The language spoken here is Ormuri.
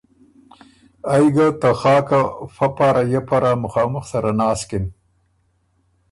ائ ګه ته خاکه فۀ پاره یۀ پاره مُخامُخ سره ناسکِن۔